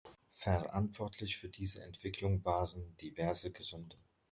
Verantwortlich für diese Entwicklung waren diverse Gründe.